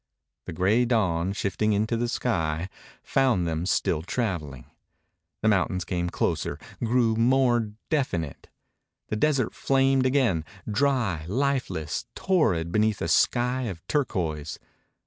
The gray dawn, sifting into the sky, found them still traveling. The mountains came closer, grew more definite. The desert flamed again, dry, lifeless, torrid beneath a sky of turquoise.